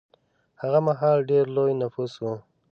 هغه مهال ډېر لوی نفوس و.